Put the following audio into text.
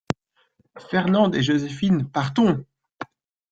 Fernande et Joséphine Partons !